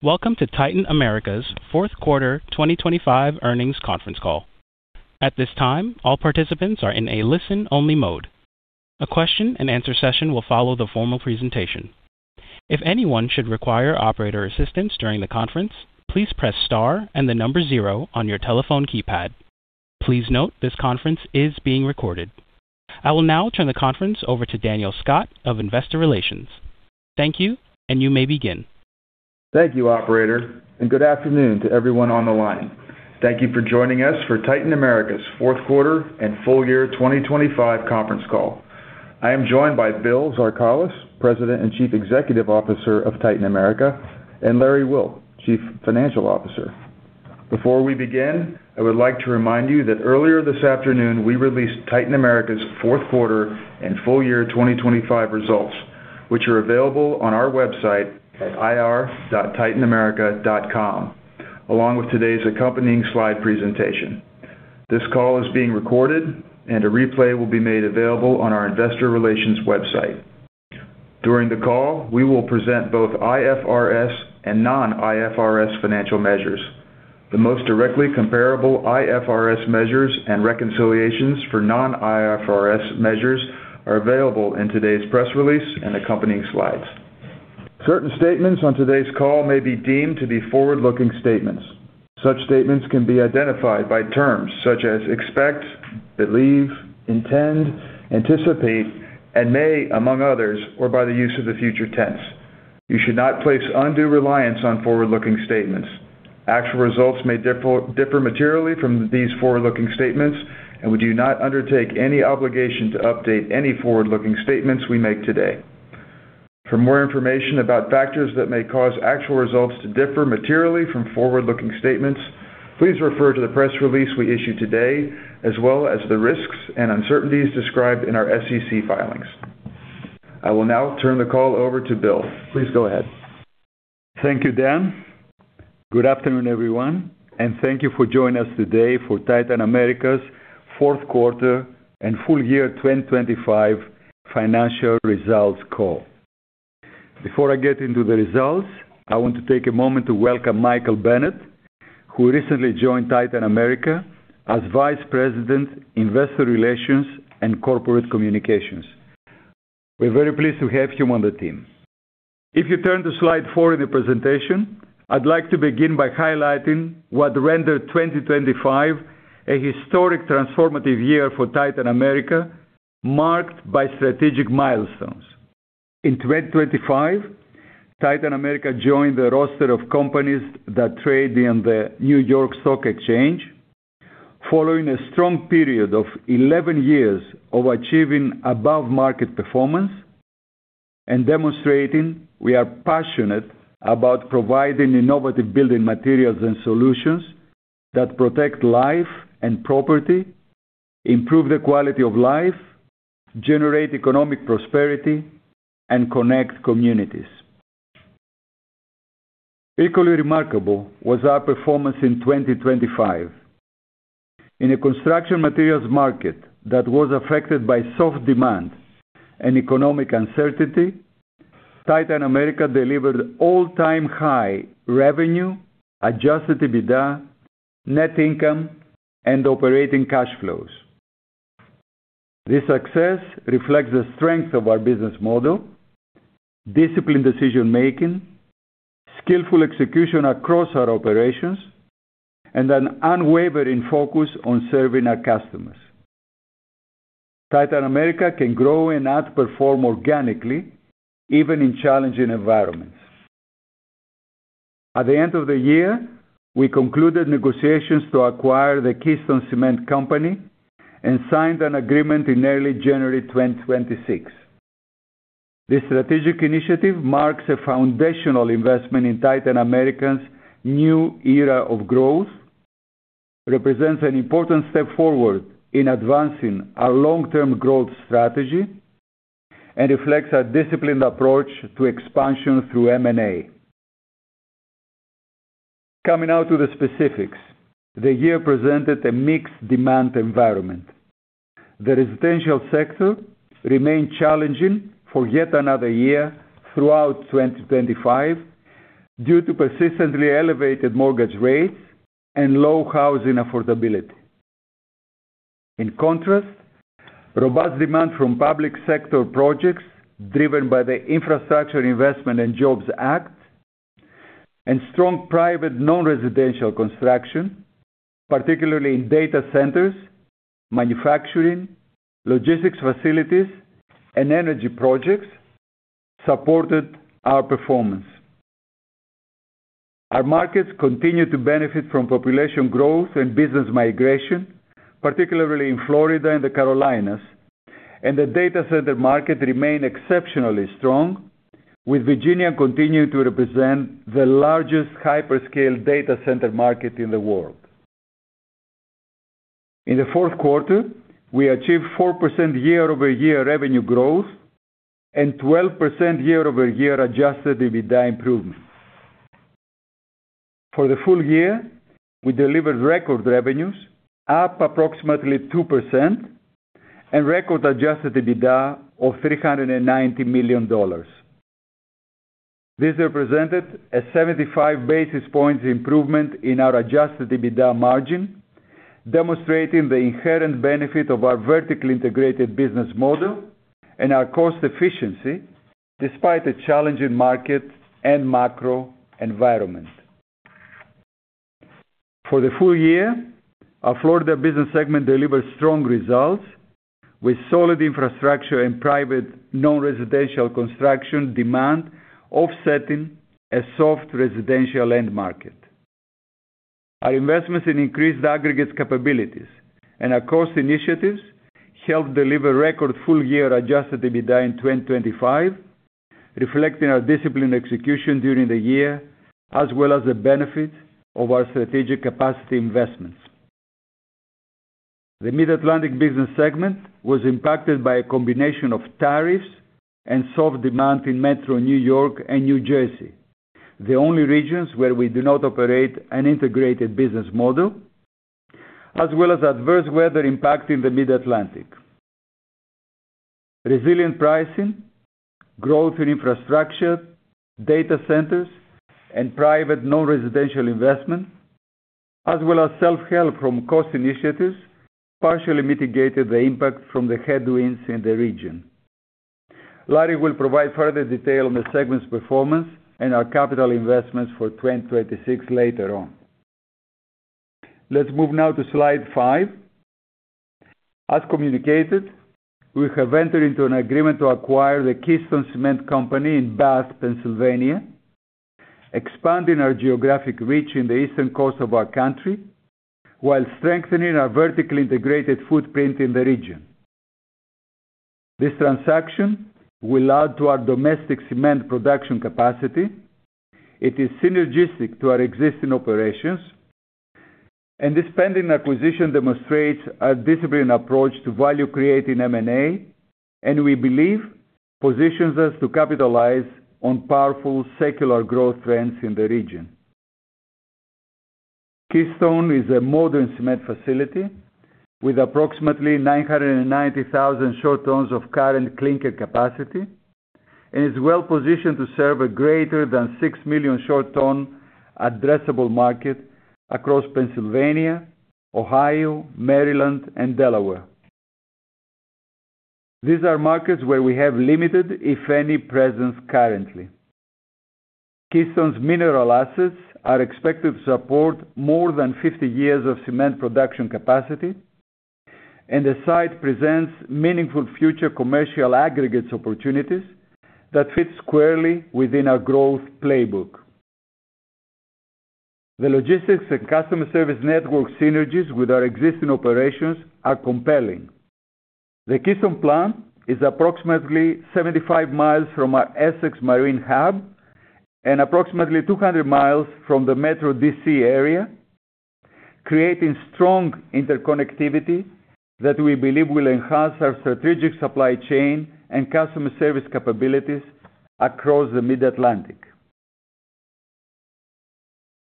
Welcome to Titan America's Fourth Quarter 2025 Earnings Conference Call. At this time, all participants are in a listen-only mode. A question-and-answer session will follow the formal presentation. If anyone should require operator assistance during the conference, please press star and the number zero on your telephone keypad. Please note this conference is being recorded. I will now turn the conference over to Daniel Scott of Investor Relations. Thank you, and you may begin. Thank you, operator, and good afternoon to everyone on the line. Thank you for joining us for Titan America's fourth quarter and full year 2025 conference call. I am joined by Bill Zarkalis, President and Chief Executive Officer of Titan America, and Larry Wilt, Chief Financial Officer. Before we begin, I would like to remind you that earlier this afternoon we released Titan America's fourth quarter and full-year 2025 results, which are available on our website at ir.titanamerica.com, along with today's accompanying slide presentation. This call is being recorded and a replay will be made available on our Investor Relations website. During the call, we will present both IFRS and non-IFRS financial measures. The most directly comparable IFRS measures and reconciliations for non-IFRS measures are available in today's press release and accompanying slides. Certain statements on today's call may be deemed to be forward-looking statements. Such statements can be identified by terms such as expect, believe, intend, anticipate, and may, among others, or by the use of the future tense. You should not place undue reliance on forward-looking statements. Actual results may differ materially from these forward-looking statements, and we do not undertake any obligation to update any forward-looking statements we make today. For more information about factors that may cause actual results to differ materially from forward-looking statements, please refer to the press release we issued today, as well as the risks and uncertainties described in our SEC filings. I will now turn the call over to Bill. Please go ahead. Thank you, Dan. Good afternoon, everyone, and thank you for joining us today for Titan America's fourth quarter and full-year 2025 financial results call. Before I get into the results, I want to take a moment to welcome Michael Bennett, who recently joined Titan America as Vice President, Investor Relations and Corporate Communications. We're very pleased to have him on the team. If you turn to slide four in the presentation, I'd like to begin by highlighting what rendered 2025 a historic transformative year for Titan America, marked by strategic milestones. In 2025, Titan America joined the roster of companies that trade in the New York Stock Exchange following a strong period of 11 years of achieving above-market performance and demonstrating we are passionate about providing innovative building materials and solutions that protect life and property, improve the quality of life, generate economic prosperity, and connect communities. Equally remarkable was our performance in 2025. In a construction materials market that was affected by soft demand and economic uncertainty, Titan America delivered all-time high revenue, Adjusted EBITDA, net income, and operating cash flows. This success reflects the strength of our business model, disciplined decision-making, skillful execution across our operations, and an unwavering focus on serving our customers. Titan America can grow and outperform organically even in challenging environments. At the end of the year, we concluded negotiations to acquire the Keystone Cement Company and signed an agreement in early January 2026. This strategic initiative marks a foundational investment in Titan America's new era of growth, represents an important step forward in advancing our long-term growth strategy, and reflects our disciplined approach to expansion through M&A. Coming now to the specifics. The year presented a mixed demand environment. The residential sector remained challenging for yet another year throughout 2025 due to persistently elevated mortgage rates and low housing affordability. In contrast, robust demand from public sector projects driven by the Infrastructure Investment and Jobs Act and strong private non-residential construction, particularly in data centers, manufacturing, logistics facilities, and energy projects, supported our performance. Our markets continue to benefit from population growth and business migration, particularly in Florida and the Carolinas, and the data center market remained exceptionally strong, with Virginia continuing to represent the largest hyperscale data center market in the world. In the fourth quarter, we achieved 4% year-over-year revenue growth and 12% year-over-year Adjusted EBITDA improvement. For the full year, we delivered record revenues up approximately 2% and record Adjusted EBITDA of $390 million. This represented a 75 basis points improvement in our Adjusted EBITDA margin, demonstrating the inherent benefit of our vertically integrated business model and our cost efficiency despite a challenging market and macro environment. For the full year, our Florida business segment delivered strong results with solid infrastructure and private non-residential construction demand offsetting a soft residential end market. Our investments in increased Aggregates capabilities and our cost initiatives helped deliver record full-year Adjusted EBITDA in 2025, reflecting our disciplined execution during the year as well as the benefit of our strategic capacity investments. The Mid-Atlantic business segment was impacted by a combination of tariffs and soft demand in Metro New York and New Jersey, the only regions where we do not operate an integrated business model, as well as adverse weather impact in the Mid-Atlantic. Resilient pricing, growth in infrastructure, data centers, and private non-residential investment, as well as self-help from cost initiatives partially mitigated the impact from the headwinds in the region. Larry will provide further detail on the segment's performance and our capital investments for 2026 later on. Let's move now to slide five. As communicated, we have entered into an agreement to acquire the Keystone Cement Company in Bath, Pennsylvania, expanding our geographic reach in the eastern coast of our country while strengthening our vertically integrated footprint in the region. This transaction will add to our domestic cement production capacity. It is synergistic to our existing operations, and this pending acquisition demonstrates our disciplined approach to value creating M&A, and we believe positions us to capitalize on powerful secular growth trends in the region. Keystone is a modern cement facility with approximately 990,000 short tons of current clinker capacity and is well-positioned to serve a greater than 6 million short tons addressable market across Pennsylvania, Ohio, Maryland, and Delaware. These are markets where we have limited, if any, presence currently. Keystone's mineral assets are expected to support more than 50 years of cement production capacity, and the site presents meaningful future commercial Aggregates opportunities that fit squarely within our growth playbook. The logistics and customer service network synergies with our existing operations are compelling. The Keystone plant is approximately 75 miles from our Essex Marine hub and approximately 200 miles from the Metro D.C. area, creating strong interconnectivity that we believe will enhance our strategic supply chain and customer service capabilities across the Mid-Atlantic.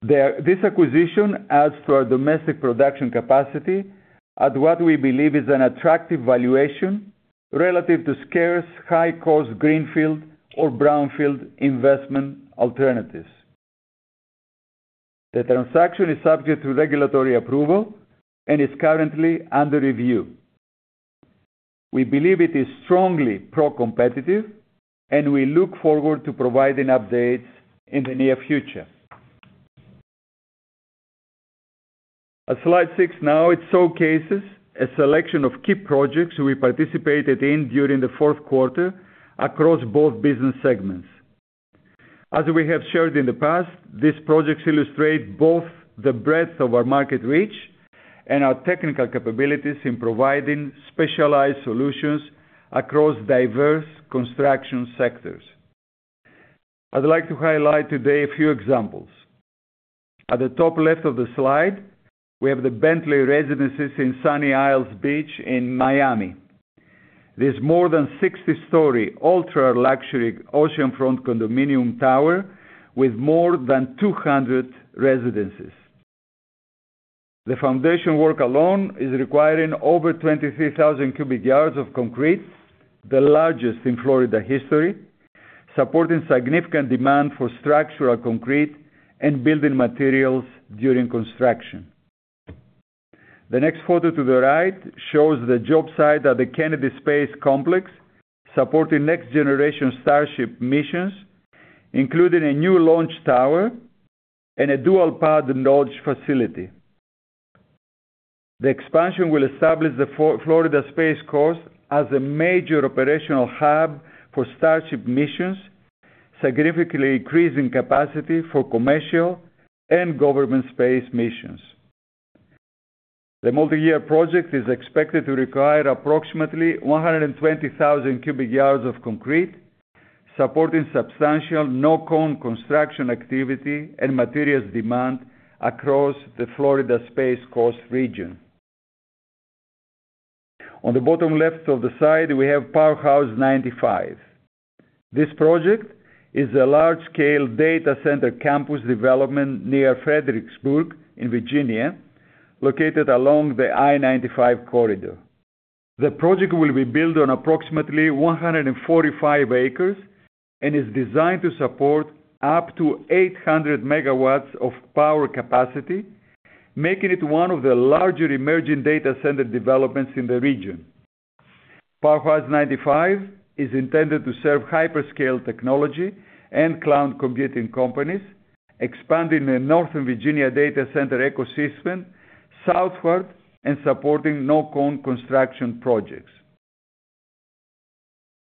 This acquisition adds to our domestic production capacity at what we believe is an attractive valuation relative to scarce high-cost greenfield or brownfield investment alternatives. The transaction is subject to regulatory approval and is currently under review. We believe it is strongly pro-competitive, and we look forward to providing updates in the near future. At slide six now, it showcases a selection of key projects we participated in during the fourth quarter across both business segments. As we have shared in the past, these projects illustrate both the breadth of our market reach and our technical capabilities in providing specialized solutions across diverse construction sectors. I'd like to highlight today a few examples. At the top left of the slide, we have the Bentley Residences in Sunny Isles Beach in Miami. This more than 60-story ultra-luxury oceanfront condominium tower with more than 200 residences. The foundation work alone is requiring over 23,000 cubic yards of concrete, the largest in Florida history, supporting significant demand for structural concrete and building materials during construction. The next photo to the right shows the job site at the Kennedy Space Center, supporting next-generation Starship missions, including a new launch tower and a dual-pad launch facility. The expansion will establish the Florida Space Coast as a major operational hub for Starship missions, significantly increasing capacity for commercial and government space missions. The multi-year project is expected to require approximately 120,000 cubic yards of concrete, supporting substantial non-residential construction activity and materials demand across the Florida Space Coast region. On the bottom left of the slide, we have PowerHouse 95. This project is a large scale data center campus development near Fredericksburg in Virginia, located along the I-95 corridor. The project will be built on approximately 145 acres and is designed to support up to 800 MW of power capacity, making it one of the larger emerging data center developments in the region. PowerHouse 95 is intended to serve hyperscale technology and cloud computing companies, expanding the Northern Virginia data center ecosystem southward and supporting non-residential construction projects.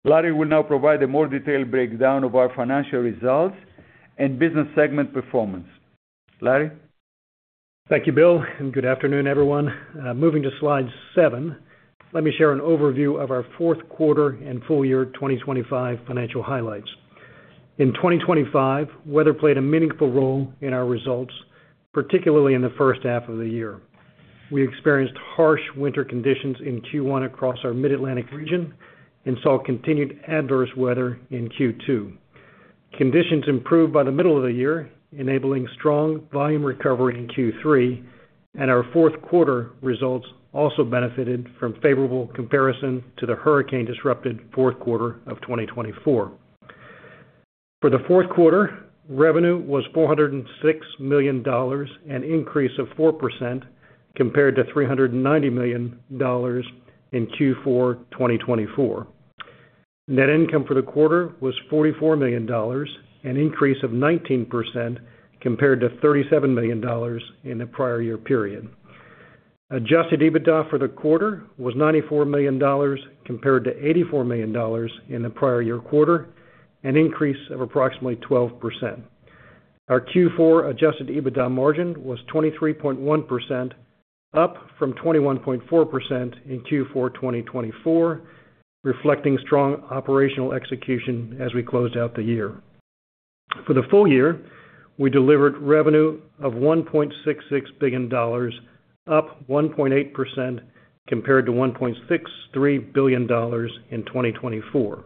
Larry will now provide a more detailed breakdown of our financial results and business segment performance. Larry. Thank you, Bill, and good afternoon, everyone. Moving to slide seven, let me share an overview of our fourth quarter and full-year 2025 financial highlights. In 2025, weather played a meaningful role in our results, particularly in the first half of the year. We experienced harsh winter conditions in Q1 across our Mid-Atlantic region and saw continued adverse weather in Q2. Conditions improved by the middle of the year, enabling strong volume recovery in Q3, and our fourth quarter results also benefited from favorable comparison to the hurricane disrupted fourth quarter of 2024. For the fourth quarter, revenue was $406 million, an increase of 4% compared to $390 million in Q4 2024. Net income for the quarter was $44 million, an increase of 19% compared to $37 million in the prior year period. Adjusted EBITDA for the quarter was $94 million, compared to $84 million in the prior year quarter, an increase of approximately 12%. Our Q4 Adjusted EBITDA margin was 23.1%, up from 21.4% in Q4 2024, reflecting strong operational execution as we closed out the year. For the full year, we delivered revenue of $1.66 billion, up 1.8% compared to $1.63 billion in 2024.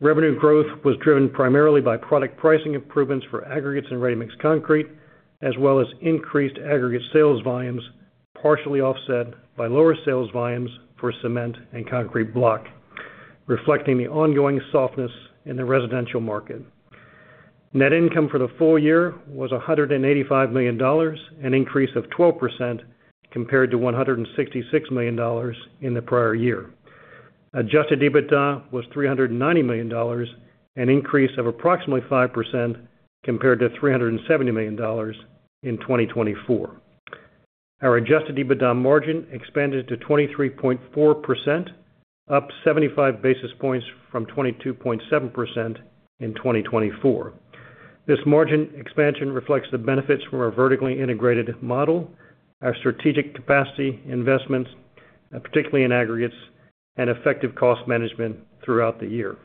Revenue growth was driven primarily by product pricing improvements for Aggregates and Ready-Mixed Concrete, as well as increased Aggregate sales volumes, partially offset by lower sales volumes for Cement and Concrete block, reflecting the ongoing softness in the residential market. Net income for the full year was $185 million, an increase of 12% compared to $166 million in the prior year. Adjusted EBITDA was $390 million, an increase of approximately 5% compared to $370 million in 2024. Our Adjusted EBITDA margin expanded to 23.4%, up 75 basis points from 22.7% in 2024. This margin expansion reflects the benefits from our vertically integrated model, our strategic capacity investments, particularly in Aggregates, and effective cost management throughout the year.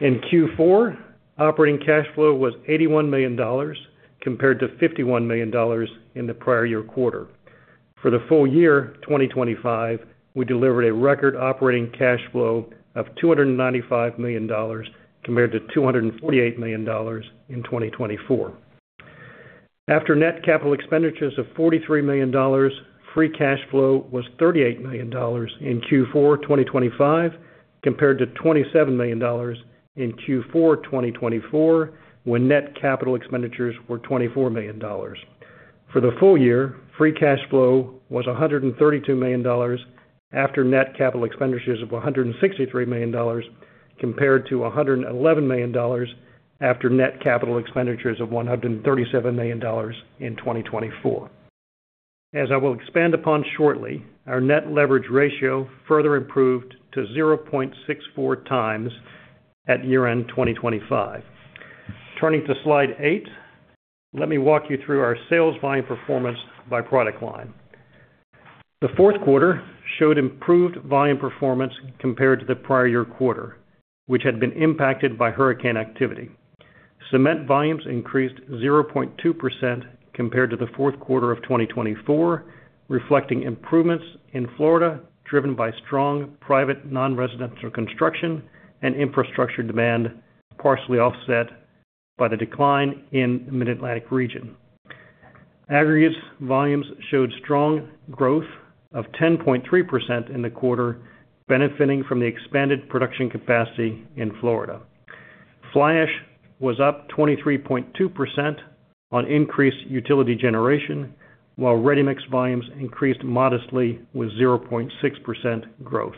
In Q4, operating cash flow was $81 million, compared to $51 million in the prior year quarter. For the full-year 2025, we delivered a record operating cash flow of $295 million compared to $248 million in 2024. After net capital expenditures of $43 million, free cash flow was $38 million in Q4 2025, compared to $27 million in Q4 2024 when net capital expenditures were $24 million. For the full year, free cash flow was $132 million after net capital expenditures of $163 million, compared to $111 million after net capital expenditures of $137 million in 2024. As I will expand upon shortly, our net leverage ratio further improved to 0.64x at year-end 2025. Turning to slide eight, let me walk you through our sales volume performance by product line. The fourth quarter showed improved volume performance compared to the prior year quarter, which had been impacted by hurricane activity. Cement volumes increased 0.2% compared to the fourth quarter of 2024, reflecting improvements in Florida driven by strong private non-residential construction and infrastructure demand, partially offset by the decline in Mid-Atlantic region. Aggregates volumes showed strong growth of 10.3% in the quarter, benefiting from the expanded production capacity in Florida. Fly Ash was up 23.2% on increased utility generation, while Ready-Mix volumes increased modestly with 0.6% growth.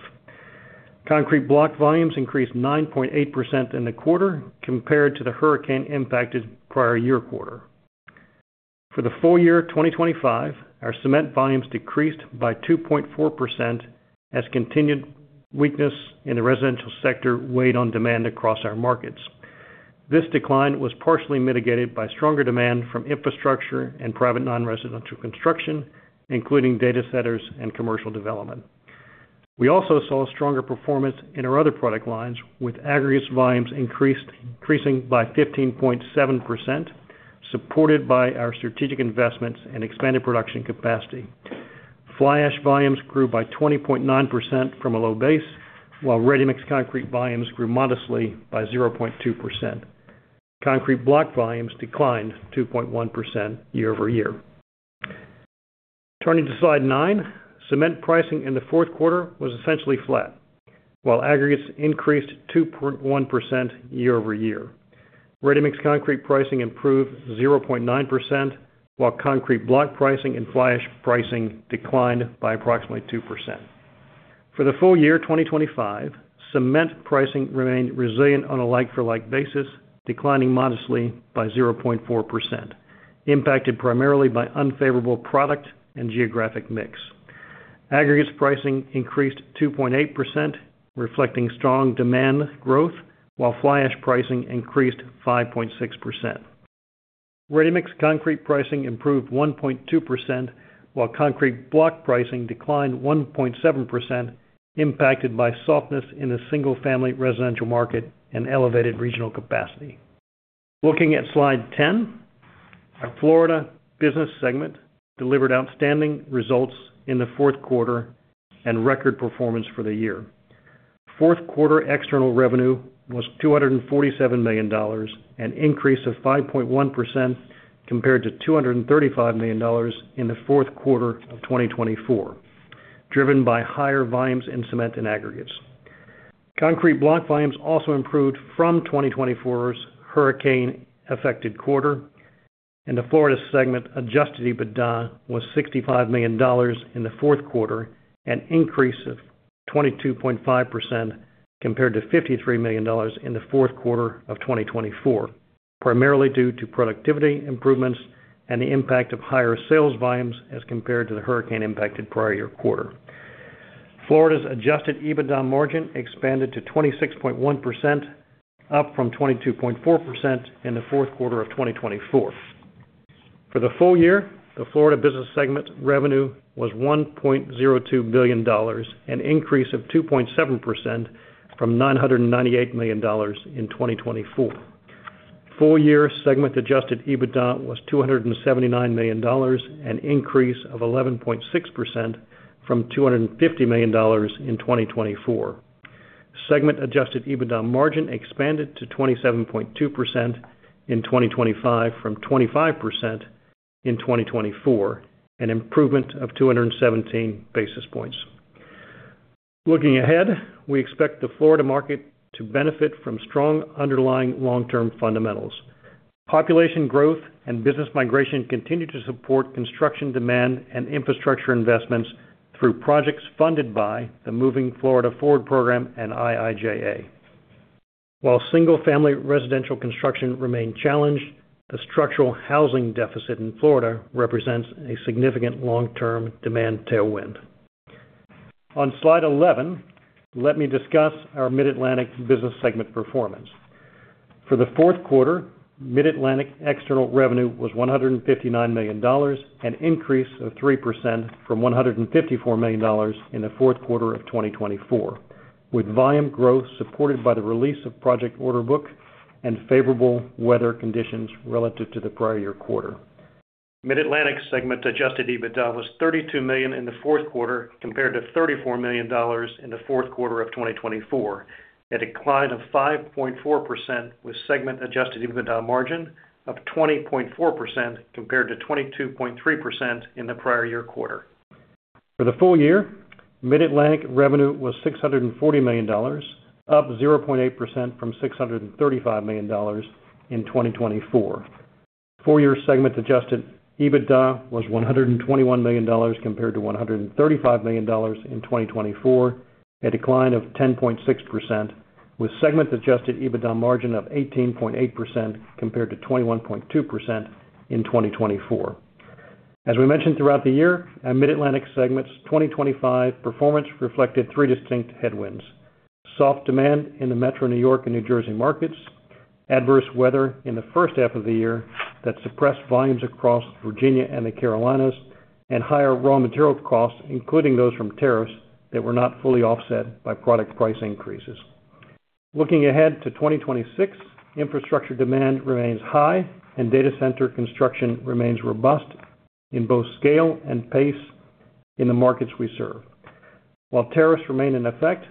Concrete Block volumes increased 9.8% in the quarter compared to the hurricane impacted prior year quarter. For the full-year 2025, our Cement volumes decreased by 2.4% as continued weakness in the residential sector weighed on demand across our markets. This decline was partially mitigated by stronger demand from infrastructure and private non-residential construction, including data centers and commercial development. We also saw stronger performance in our other product lines, with Aggregates volumes increasing by 15.7%, supported by our strategic investments and expanded production capacity. Fly Ash volumes grew by 20.9% from a low base, while Ready-Mixed Concrete volumes grew modestly by 0.2%. Concrete Block volumes declined 2.1% year-over-year. Turning to slide nine. Cement pricing in the fourth quarter was essentially flat, while Aggregates increased 2.1% year-over-year. Ready-Mixed Concrete pricing improved 0.9%, while Concrete Block pricing and Fly Ash pricing declined by approximately 2%. For the full-year 2025, Cement pricing remained resilient on a like-for-like basis, declining modestly by 0.4%, impacted primarily by unfavorable product and geographic mix. Aggregates pricing increased 2.8%, reflecting strong demand growth, while Fly Ash pricing increased 5.6%. Ready-Mixed Concrete pricing improved 1.2%, while Concrete Block pricing declined 1.7%, impacted by softness in the single-family residential market and elevated regional capacity. Looking at Slide 10. Our Florida business segment delivered outstanding results in the fourth quarter and record performance for the year. Fourth quarter external revenue was $247 million, an increase of 5.1% compared to $235 million in the fourth quarter of 2024, driven by higher volumes in Cement and Aggregates. Concrete Block volumes also improved from 2024's hurricane-affected quarter, and the Florida segment Adjusted EBITDA was $65 million in the fourth quarter, an increase of 22.5% compared to $53 million in the fourth quarter of 2024, primarily due to productivity improvements and the impact of higher sales volumes as compared to the hurricane impacted prior year quarter. Florida's Adjusted EBITDA margin expanded to 26.1%, up from 22.4% in the fourth quarter of 2024. For the full year, the Florida business segment revenue was $1.02 billion, an increase of 2.7% from $998 million in 2024. Full-year segment Adjusted EBITDA was $279 million, an increase of 11.6% from $250 million in 2024. Segment Adjusted EBITDA margin expanded to 27.2% in 2025 from 25% in 2024, an improvement of 217 basis points. Looking ahead, we expect the Florida market to benefit from strong underlying long-term fundamentals. Population growth and business migration continue to support construction demand and infrastructure investments through projects funded by the Moving Florida Forward program and IIJA. While single family residential construction remain challenged, the structural housing deficit in Florida represents a significant long-term demand tailwind. On slide 11, let me discuss our Mid-Atlantic business segment performance. For the fourth quarter, Mid-Atlantic external revenue was $159 million, an increase of 3% from $154 million in the fourth quarter of 2024, with volume growth supported by the release of project order book and favorable weather conditions relative to the prior year quarter. Mid-Atlantic segment Adjusted EBITDA was $32 million in the fourth quarter compared to $34 million in the fourth quarter of 2024, a decline of 5.4% with segment Adjusted EBITDA margin of 20.4% compared to 22.3% in the prior year quarter. For the full year, Mid-Atlantic revenue was $640 million, up 0.8% from $635 million in 2024. Full-year segment Adjusted EBITDA was $121 million compared to $135 million in 2024, a decline of 10.6%, with segment Adjusted EBITDA margin of 18.8% compared to 21.2% in 2024. As we mentioned throughout the year, our Mid-Atlantic segment's 2025 performance reflected three distinct headwinds. Soft demand in the metro New York and New Jersey markets, adverse weather in the first half of the year that suppressed volumes across Virginia and the Carolinas, and higher raw material costs, including those from tariffs, that were not fully offset by product price increases. Looking ahead to 2026, infrastructure demand remains high and data center construction remains robust in both scale and pace in the markets we serve. While tariffs remain in effect,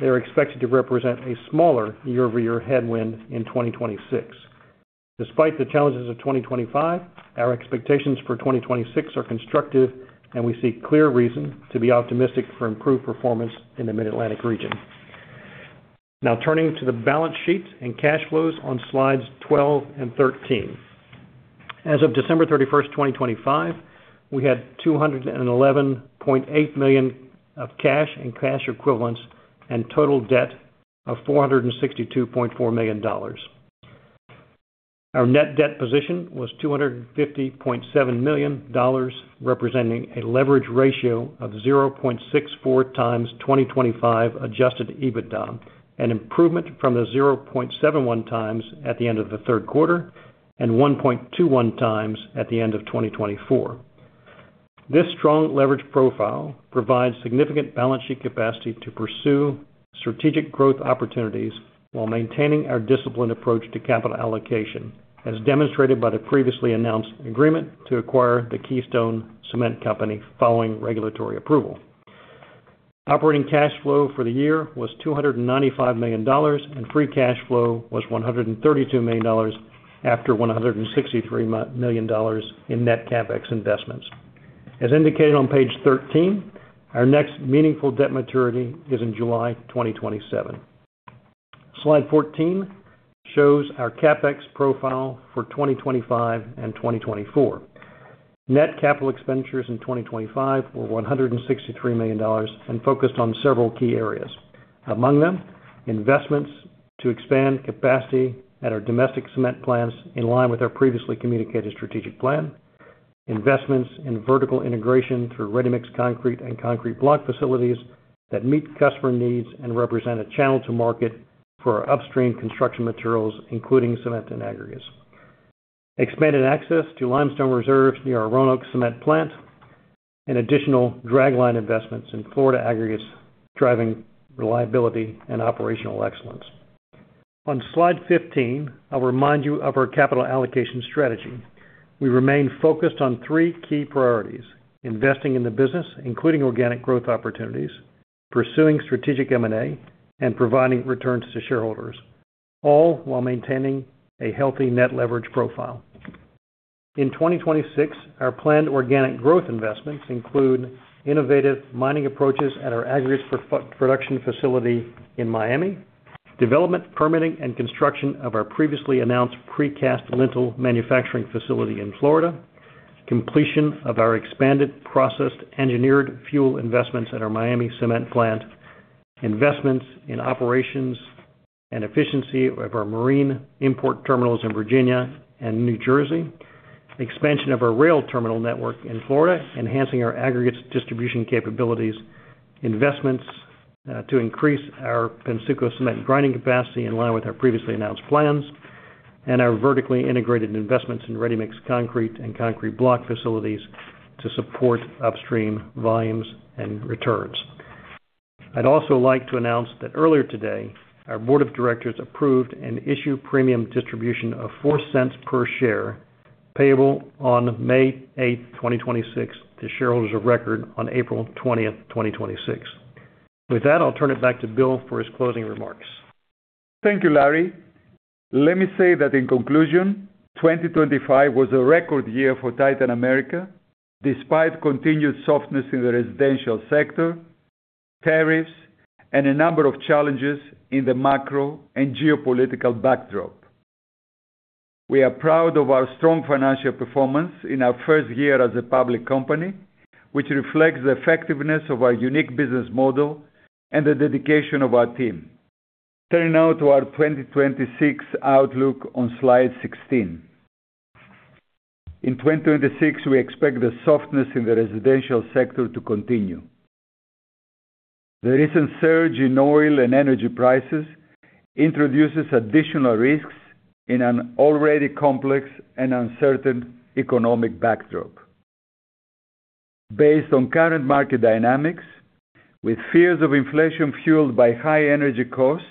they are expected to represent a smaller year-over-year headwind in 2026. Despite the challenges of 2025, our expectations for 2026 are constructive, and we see clear reason to be optimistic for improved performance in the Mid-Atlantic region. Now turning to the balance sheet and cash flows on slides 12 and 13. As of December 31, 2025, we had $211.8 million of cash and cash equivalents and total debt of $462.4 million. Our net debt position was $250.7 million, representing a leverage ratio of 0.64x 2025 Adjusted EBITDA, an improvement from the 0.71x at the end of the third quarter and 1.21x at the end of 2024. This strong leverage profile provides significant balance sheet capacity to pursue strategic growth opportunities while maintaining our disciplined approach to capital allocation, as demonstrated by the previously announced agreement to acquire the Keystone Cement Company following regulatory approval. Operating cash flow for the year was $295 million, and free cash flow was $132 million after $163 million in net CapEx investments. As indicated on page 13, our next meaningful debt maturity is in July 2027. Slide 14 shows our CapEx profile for 2025 and 2024. Net capital expenditures in 2025 were $163 million and focused on several key areas. Among them, investments to expand capacity at our domestic cement plants in line with our previously communicated strategic plan. Investments in vertical integration through Ready-Mixed Concrete and Concrete Block facilities that meet customer needs and represent a channel to market for our upstream construction materials, including Cement and Aggregates. Expanded access to limestone reserves near our Roanoke cement plant. Additional dragline investments in Florida Aggregates, driving reliability and operational excellence. On slide 15, I'll remind you of our capital allocation strategy. We remain focused on three key priorities, investing in the business, including organic growth opportunities, pursuing strategic M&A, and providing returns to shareholders, all while maintaining a healthy net leverage profile. In 2026, our planned organic growth investments include innovative mining approaches at our Aggregates production facility in Miami, development, permitting, and construction of our previously announced precast lintel manufacturing facility in Florida, completion of our expanded Processed Engineered Fuel investments at our Miami cement plant, investments in operations and efficiency of our marine import terminals in Virginia and New Jersey, expansion of our rail terminal network in Florida, enhancing our Aggregates distribution capabilities, investments to increase our Pensacola cement grinding capacity in line with our previously announced plans, and our vertically integrated investments in Ready-Mixed Concrete and Concrete Block facilities to support upstream volumes and returns. I'd also like to announce that earlier today, our board of directors approved a share premium distribution of $0.04 per share, payable on May 8, 2026 to shareholders of record on April 20, 2026. With that, I'll turn it back to Bill for his closing remarks. Thank you, Larry. Let me say that in conclusion, 2025 was a record year for Titan America, despite continued softness in the residential sector, tariffs, and a number of challenges in the macro and geopolitical backdrop. We are proud of our strong financial performance in our first year as a public company, which reflects the effectiveness of our unique business model and the dedication of our team. Turning now to our 2026 outlook on slide 16. In 2026, we expect the softness in the residential sector to continue. The recent surge in oil and energy prices introduces additional risks in an already complex and uncertain economic backdrop. Based on current market dynamics, with fears of inflation fueled by high energy costs,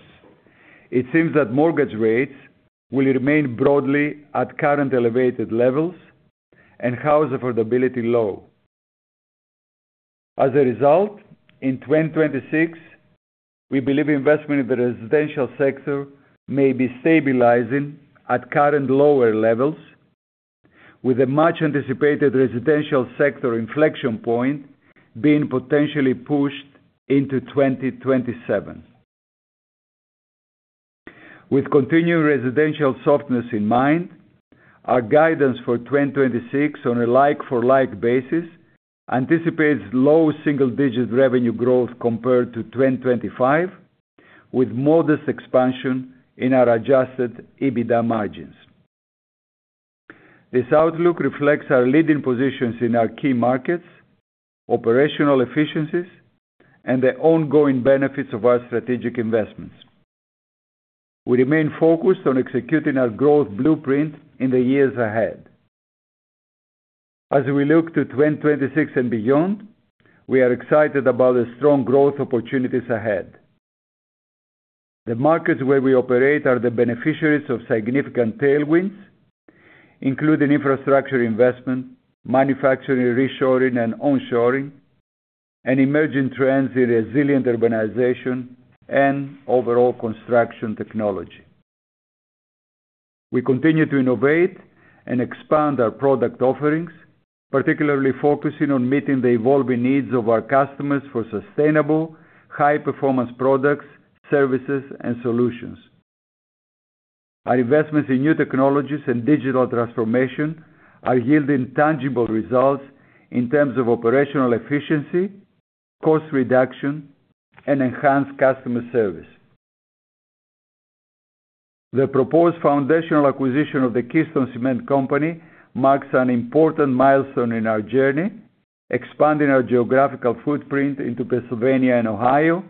it seems that mortgage rates will remain broadly at current elevated levels and house affordability low. As a result, in 2026, we believe investment in the residential sector may be stabilizing at current lower levels, with a much-anticipated residential sector inflection point being potentially pushed into 2027. With continued residential softness in mind, our guidance for 2026 on a like-for-like basis anticipates low single-digit revenue growth compared to 2025, with modest expansion in our Adjusted EBITDA margins. This outlook reflects our leading positions in our key markets, operational efficiencies, and the ongoing benefits of our strategic investments. We remain focused on executing our growth blueprint in the years ahead. As we look to 2026 and beyond, we are excited about the strong growth opportunities ahead. The markets where we operate are the beneficiaries of significant tailwinds, including infrastructure investment, manufacturing reshoring and onshoring, and emerging trends in resilient urbanization and overall construction technology. We continue to innovate and expand our product offerings, particularly focusing on meeting the evolving needs of our customers for sustainable, high-performance products, services, and solutions. Our investments in new technologies and digital transformation are yielding tangible results in terms of operational efficiency, cost reduction, and enhanced customer service. The proposed foundational acquisition of the Keystone Cement Company marks an important milestone in our journey, expanding our geographical footprint into Pennsylvania and Ohio.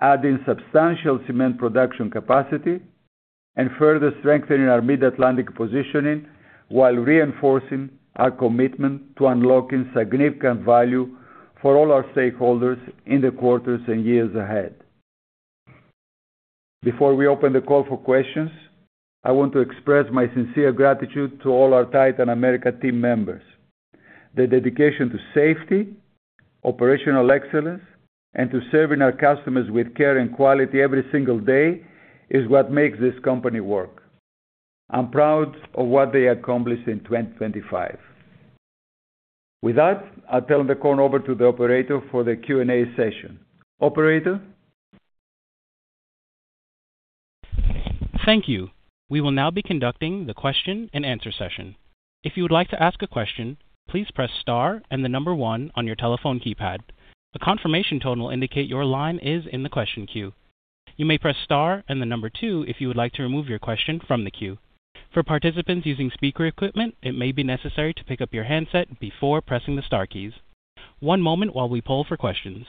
Adding substantial Cement production capacity and further strengthening our Mid-Atlantic positioning, while reinforcing our commitment to unlocking significant value for all our stakeholders in the quarters and years ahead. Before we open the call for questions, I want to express my sincere gratitude to all our Titan America team members. Their dedication to safety, operational excellence, and to serving our customers with care and quality every single day is what makes this company work. I'm proud of what they accomplished in 2025. With that, I'll turn the call over to the operator for the Q&A session. Operator. Thank you. We will now be conducting the question-and-answer session. If you would like to ask a question, please press star and the number one on your telephone keypad. The confirmation tone will indicate your line is in the question queue. You may press star and the number two if you would like to remove your question from the queue. For participants using speaker equipment, it may be necessary to pick up your handset before pressing the star keys. One moment while we poll for questions.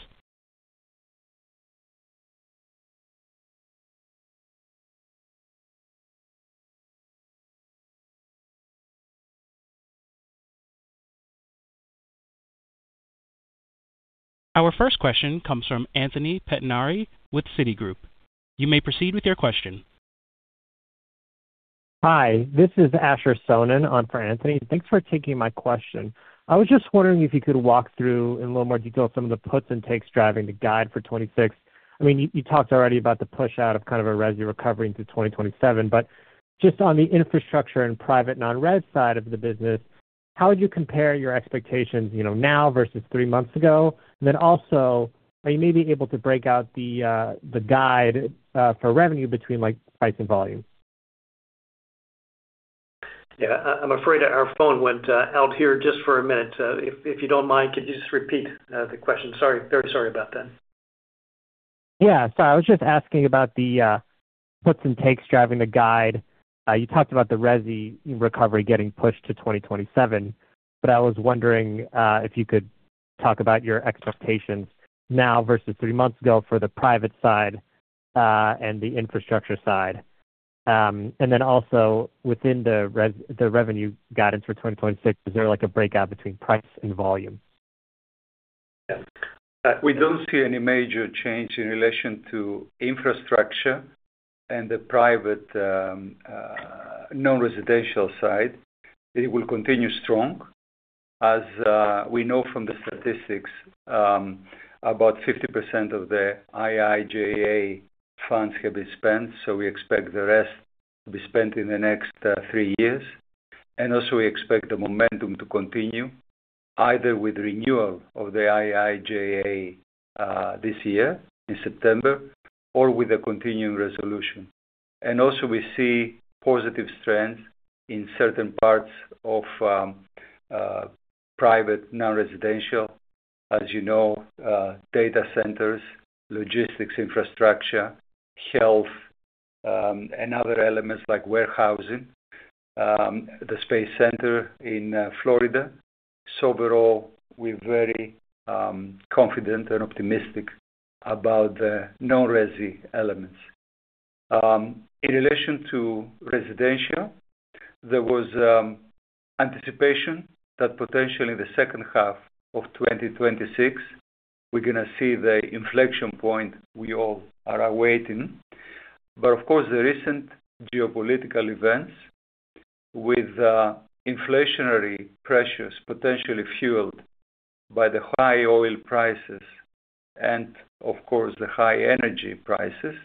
Our first question comes from Anthony Pettinari with Citigroup. You may proceed with your question. Hi, this is Asher Sohnen on for Anthony Pettinari. Thanks for taking my question. I was just wondering if you could walk through in a little more detail some of the puts and takes driving the guide for 2026. I mean, you talked already about the push out of kind of a resi recovery into 2027, but just on the infrastructure and private non-res side of the business, how would you compare your expectations, you know, now versus three months ago? Then also, are you maybe able to break out the guide for revenue between like price and volume? Yeah. I'm afraid our phone went out here just for a minute. If you don't mind, could you just repeat the question? Sorry. Very sorry about that. Yeah, sorry. I was just asking about the puts and takes driving the guide. You talked about the resi recovery getting pushed to 2027, but I was wondering if you could talk about your expectations now versus three months ago for the private side and the infrastructure side. And then also within the revenue guidance for 2026, is there like a breakout between price and volume? We don't see any major change in relation to infrastructure and the private non-residential side. It will continue strong. As we know from the statistics, about 50% of the IIJA funds have been spent, so we expect the rest to be spent in the next three years. We expect the momentum to continue either with renewal of the IIJA this year in September or with a continuing resolution. We see positive strength in certain parts of private non-residential, as you know, data centers, logistics, infrastructure, health, and other elements like warehousing, the space center in Florida. Overall, we're very confident and optimistic about the non-resi elements. In relation to residential, there was anticipation that potentially the second half of 2026, we're gonna see the inflection point we all are awaiting. Of course, the recent geopolitical events with inflationary pressures potentially fueled by the high oil prices and of course, the high energy prices,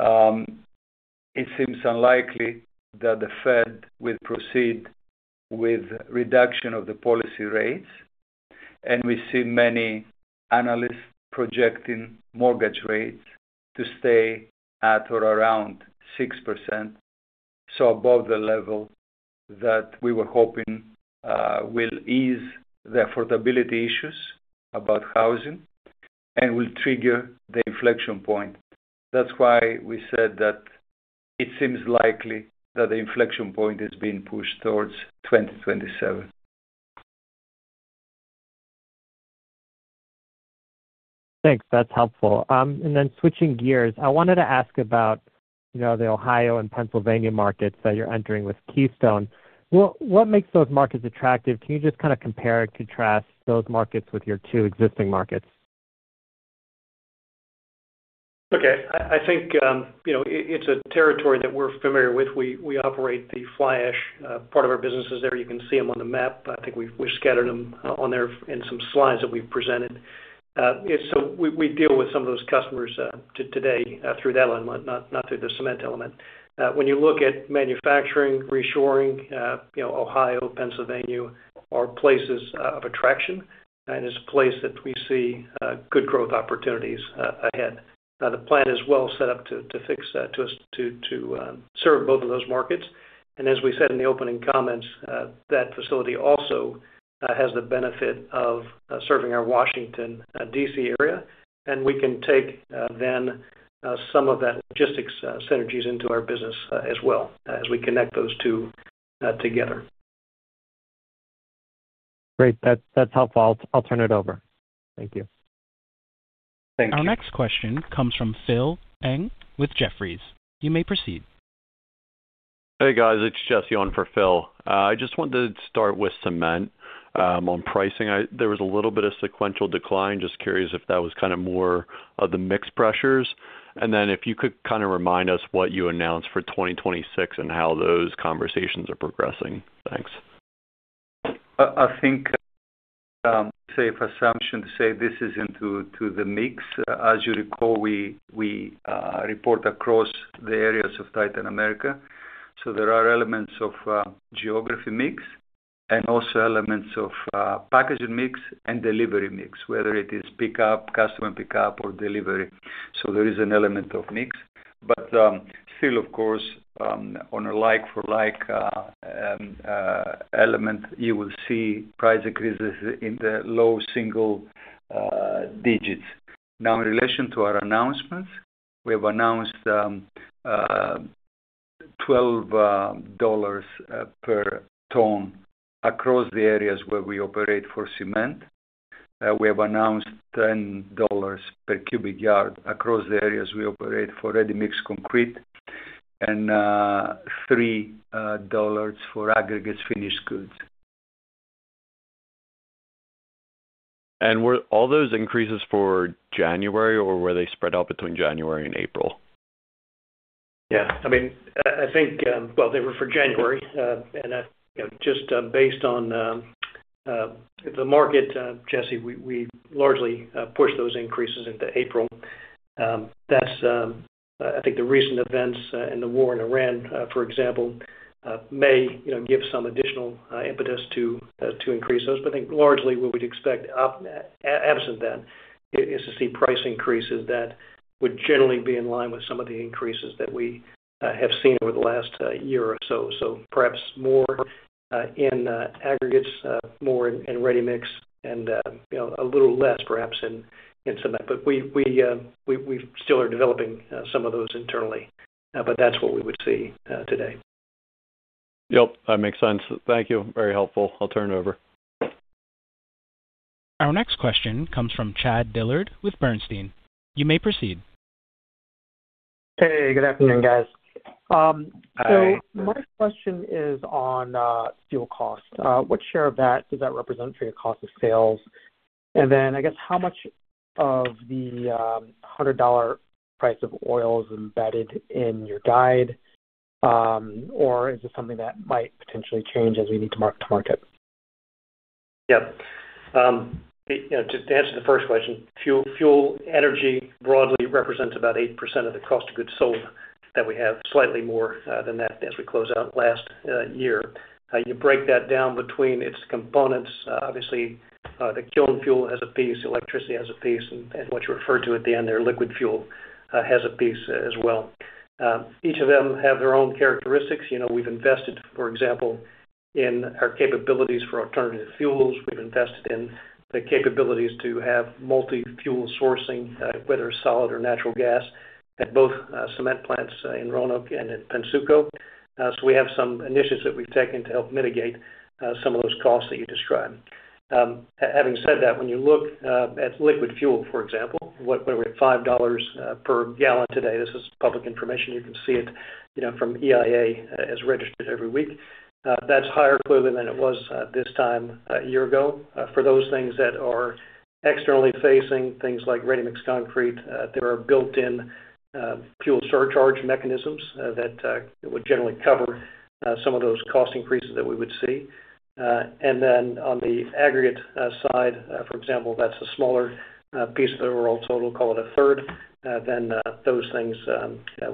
it seems unlikely that the Fed will proceed with reduction of the policy rates. We see many analysts projecting mortgage rates to stay at or around 6%, so above the level that we were hoping will ease the affordability issues about housing and will trigger the inflection point. That's why we said that it seems likely that the inflection point is being pushed towards 2027. Thanks. That's helpful. switching gears, I wanted to ask about, you know, the Ohio and Pennsylvania markets that you're entering with Keystone. What makes those markets attractive? Can you just kinda compare and contrast those markets with your two existing markets? Okay. I think, you know, it's a territory that we're familiar with. We operate the Fly Ash part of our businesses there. You can see them on the map. I think we've scattered them on there in some slides that we've presented. So we deal with some of those customers today through that element, not through the Cement element. When you look at manufacturing, reshoring, you know, Ohio, Pennsylvania are places of attraction and is a place that we see good growth opportunities ahead. Now, the plant is well set up to serve both of those markets. As we said in the opening comments, that facility also has the benefit of serving our Washington, D.C. area, and we can take then some of that logistics synergies into our business, as well as we connect those two together. Great. That's helpful. I'll turn it over. Thank you. Thank you. Our next question comes from Phil Ng with Jefferies. You may proceed. Hey, guys. It's Jesse on for Phil. I just wanted to start with Cement on pricing. There was a little bit of sequential decline. Just curious if that was kinda more of the mix pressures. Then if you could kinda remind us what you announced for 2026 and how those conversations are progressing. Thanks. I think it's a safe assumption to say this is into the mix. As you recall, we report across the areas of Titan America. There are elements of geography mix and also elements of packaging mix and delivery mix, whether it is pickup, customer pickup or delivery. There is an element of mix. Still, of course, on a like-for-like element, you will see price increases in the low single digits. Now in relation to our announcements, we have announced $12 per ton across the areas where we operate for Cement. We have announced $10 per cubic yard across the areas we operate for ready-mix concrete and $3 for Aggregates finished goods. Were all those increases for January, or were they spread out between January and April? Yeah. I mean, I think. Well, they were for January. You know, just based on the market, Jesse, we largely pushed those increases into April. That's, I think, the recent events in the war in Ukraine, for example, may, you know, give some additional impetus to increase those. But I think largely what we'd expect absent then is to see price increases that would generally be in line with some of the increases that we have seen over the last year or so. Perhaps more in Aggregates, more in Ready-Mix and, you know, a little less perhaps in Cement. We still are developing some of those internally, but that's what we would see today. Yep, that makes sense. Thank you. Very helpful. I'll turn it over. Our next question comes from Chad Dillard with Bernstein. You may proceed. Hey, good afternoon, guys. Hi. My question is on fuel costs. What share of that does that represent for your cost of sales? I guess how much of the $100 price of oil is embedded in your guide, or is it something that might potentially change as we move to market? Yeah. You know, to answer the first question, fuel energy broadly represents about 8% of the cost of goods sold that we have, slightly more than that as we close out last year. You break that down between its components, obviously, the kiln fuel has a piece, electricity has a piece, and what you referred to at the end there, liquid fuel, has a piece as well. Each of them have their own characteristics. You know, we've invested, for example, in our capabilities for alternative fuels. We've invested in the capabilities to have multi-fuel sourcing, whether solid or natural gas at both cement plants in Roanoke and in Pennsuco. So we have some initiatives that we've taken to help mitigate some of those costs that you described. Having said that, when you look at liquid fuel, for example, we're at $5 per gallon today. This is public information. You can see it, you know, from EIA, as reported every week. That's higher clearly than it was this time a year ago. For those things that are externally facing, things like Ready-Mixed Concrete, there are built-in fuel surcharge mechanisms that would generally cover some of those cost increases that we would see. Then on the aggregate side, for example, that's a smaller piece of the overall total, call it a third, then those things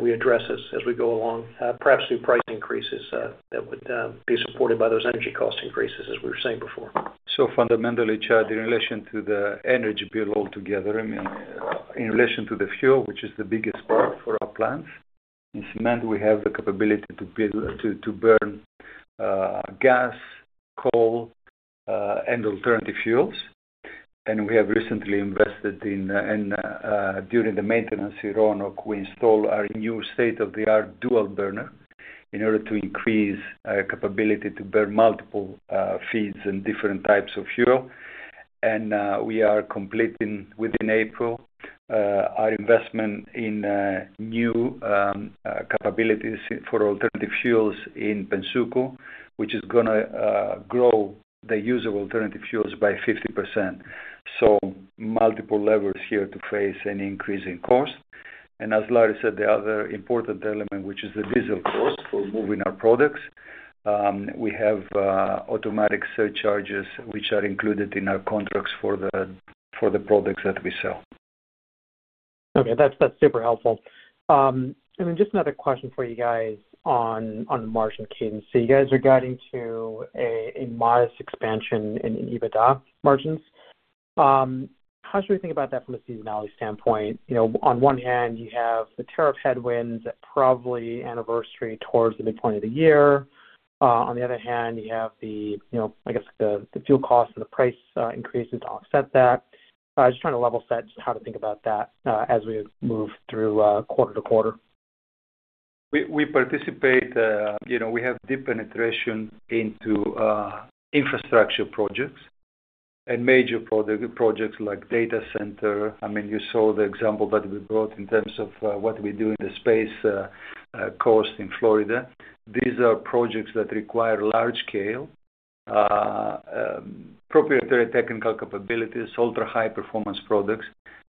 we address as we go along, perhaps through price increases that would be supported by those energy cost increases, as we were saying before. Fundamentally, Chad, in relation to the energy bill altogether, I mean, in relation to the fuel, which is the biggest part for our plants in Cement, we have the capability to burn gas, coal, and alternative fuels. We have recently invested during the maintenance in Roanoke. We installed our new state-of-the-art dual burner in order to increase capability to burn multiple feeds and different types of fuel. We are completing within April our investment in new capabilities for alternative fuels in Pennsuco, which is gonna grow the use of alternative fuels by 50%. Multiple levers here to face any increase in cost. As Larry said, the other important element, which is the diesel cost for moving our products, we have automatic surcharges which are included in our contracts for the products that we sell. Okay. That's super helpful. Just another question for you guys on the margin cadence. You guys are guiding to a modest expansion in EBITDA margins. How should we think about that from a seasonality standpoint? You know, on one hand, you have the tariff headwinds that probably anniversary towards the midpoint of the year. On the other hand, you have the, you know, I guess the fuel costs and the price increases to offset that. Just trying to level set how to think about that as we move through quarter to quarter. We participate, you know, we have deep penetration into infrastructure projects and major projects like data center. I mean, you saw the example that we brought in terms of what we do in the Space Coast in Florida. These are projects that require large-scale proprietary technical capabilities, ultra-high performance products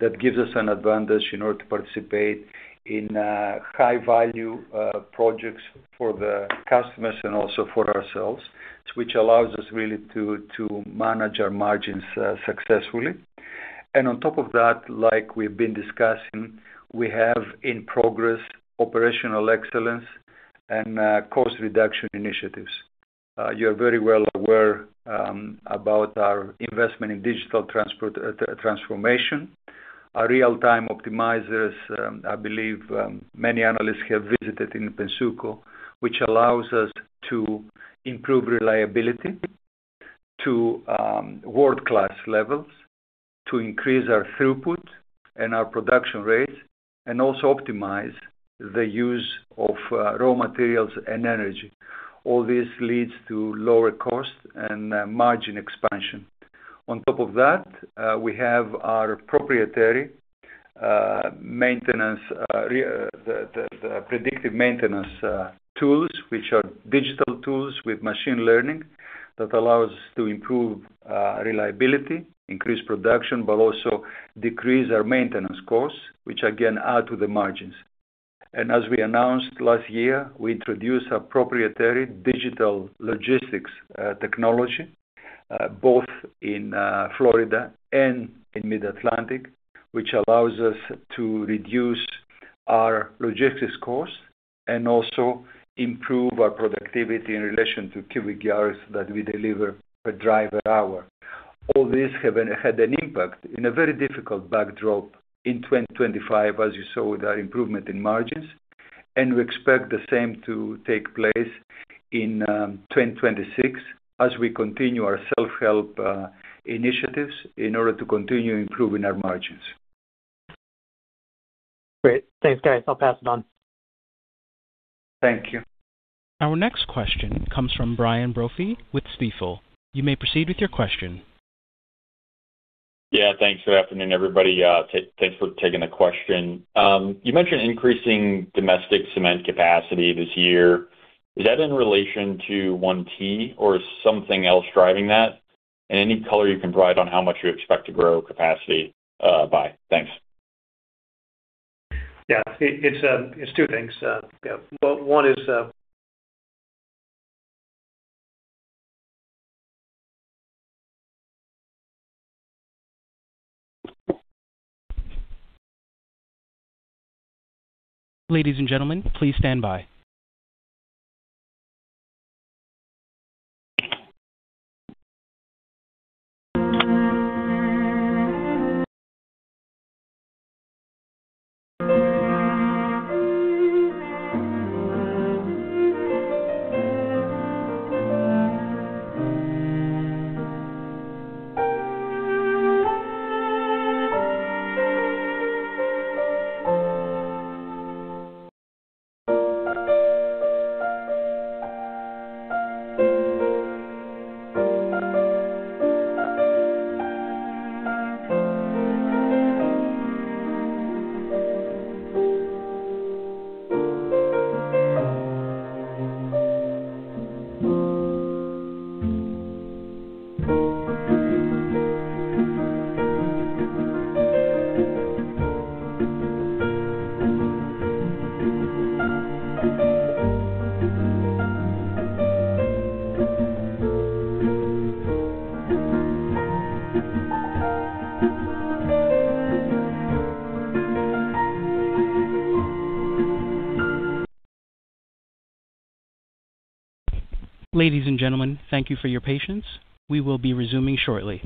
that gives us an advantage in order to participate in high-value projects for the customers and also for ourselves, which allows us really to manage our margins successfully. On top of that, like we've been discussing, we have in progress operational excellence and cost reduction initiatives. You're very well aware about our investment in digital transformation. Our real-time optimizers, I believe, many analysts have visited in Pennsuco, which allows us to improve reliability to world-class levels, to increase our throughput and our production rates, and also optimize the use of raw materials and energy. All this leads to lower cost and margin expansion. On top of that, we have our proprietary predictive maintenance tools, which are digital tools with machine learning that allow us to improve reliability, increase production, but also decrease our maintenance costs, which again add to the margins. As we announced last year, we introduced a proprietary digital logistics technology both in Florida and in Mid-Atlantic, which allows us to reduce our logistics costs and also improve our productivity in relation to cubic yards that we deliver per driver hour. All this had an impact in a very difficult backdrop in 2025, as you saw with our improvement in margins. We expect the same to take place in 2026 as we continue our self-help initiatives in order to continue improving our margins. Great. Thanks, guys. I'll pass it on. Thank you. Our next question comes from Brian Brophy with Stifel. You may proceed with your question. Yeah. Thanks. Good afternoon, everybody. Thanks for taking the question. You mentioned increasing domestic cement capacity this year. Is that in relation to one T or something else driving that? Any color you can provide on how much you expect to grow capacity by? Thanks. Yeah. It's two things. Yeah. One is. Ladies and gentlemen, please stand by. Ladies and gentlemen, thank you for your patience. We will be resuming shortly.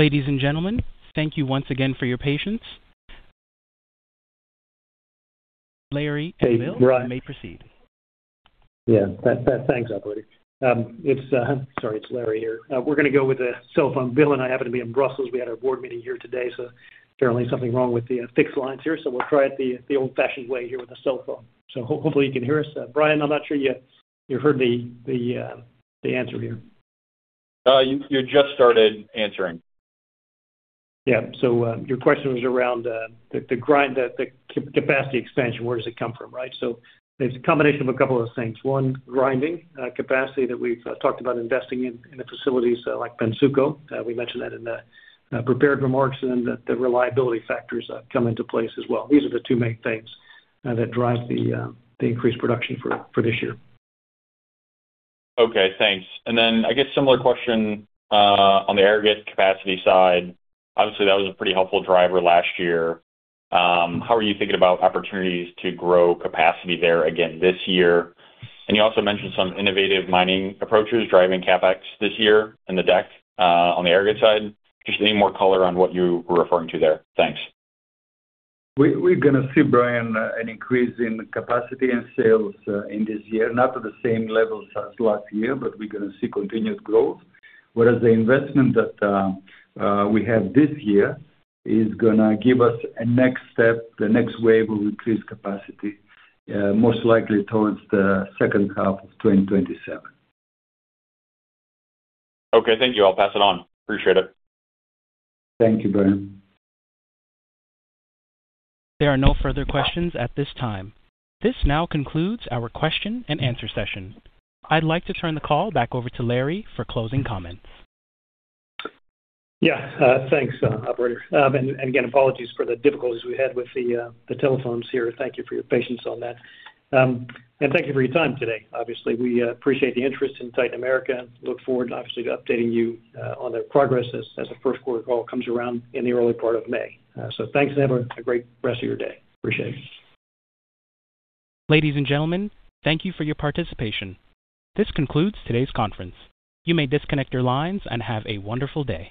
Ladies and gentlemen, thank you once again for your patience. Larry and Bill, you may proceed. Thanks, operator. Sorry, it's Larry here. We're gonna go with the cell phone. Bill and I happen to be in Brussels. We had our board meeting here today, so apparently something wrong with the fixed lines here. We'll try it the old-fashioned way here with a cell phone. Hopefully you can hear us. Brian, I'm not sure you heard the answer here. You just started answering. Yeah. Your question was around the grinding capacity expansion, where does it come from? Right. It's a combination of a couple of things. One, grinding capacity that we've talked about investing in the facilities like Pennsuco. We mentioned that in the prepared remarks and the reliability factors come into play as well. These are the two main things that drive the increased production for this year. Okay, thanks. I guess similar question on the aggregate capacity side. Obviously, that was a pretty helpful driver last year. How are you thinking about opportunities to grow capacity there again this year? You also mentioned some innovative mining approaches driving CapEx this year in the deck on the aggregate side. Just any more color on what you were referring to there. Thanks. We're gonna see, Brian, an increase in capacity and sales in this year. Not to the same levels as last year, but we're gonna see continued growth. Whereas the investment we have this year is gonna give us a next step. The next wave will increase capacity most likely towards the second half of 2027. Okay, thank you. I'll pass it on. Appreciate it. Thank you, Brian. There are no further questions at this time. This now concludes our question-and-answer session. I'd like to turn the call back over to Larry for closing comments. Yeah. Thanks, operator. Again, apologies for the difficulties we had with the telephones here. Thank you for your patience on that. Thank you for your time today. Obviously, we appreciate the interest in Titan America. Look forward, obviously, to updating you on the progress as the first quarter call comes around in the early part of May. Thanks. Have a great rest of your day. Appreciate it. Ladies and gentlemen, thank you for your participation. This concludes today's conference. You may disconnect your lines and have a wonderful day.